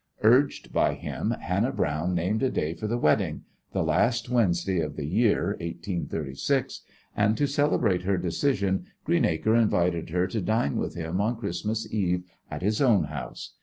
Urged by him Hannah Browne named a day for the wedding the last Wednesday of the year, 1836 and to celebrate her decision Greenacre invited her to dine with him on Christmas Eve at his own house.